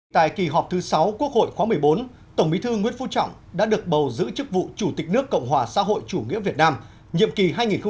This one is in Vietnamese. tại kỳ họp thứ sáu quốc hội khóa một mươi bốn tổng bí thư nguyễn phú trọng đã được bầu giữ chức vụ chủ tịch nước cộng hòa xã hội chủ nghĩa việt nam nhiệm kỳ hai nghìn một mươi sáu hai nghìn hai mươi sáu